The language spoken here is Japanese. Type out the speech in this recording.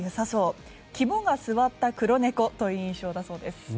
そう肝が据わった黒猫という印象だそうです。